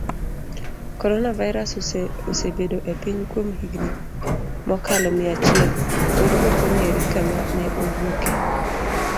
corona virus osebedo epiny kuom higini mokalo mia achiel, pod okong'ere kama neowuokie,